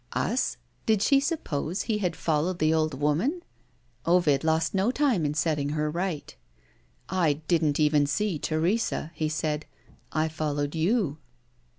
Us? Did she suppose he had followed the old woman? Ovid lost no time in setting her right. "I didn't even see Teresa," he said. "I followed You."